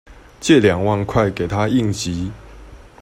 借兩萬塊給她應急